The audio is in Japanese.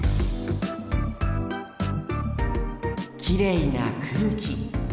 きれいな空気。